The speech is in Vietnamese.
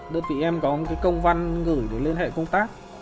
đơn vị em có một công văn gửi để liên hệ công tác